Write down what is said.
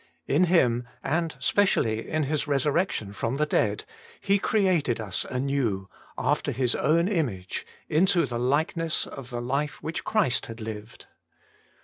In Him, and specially in His resurrection from the dead. He created us anew, after His own image, into the likeness of the life which Christ had lived.